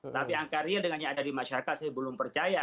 tapi angka real dengan yang ada di masyarakat saya belum percaya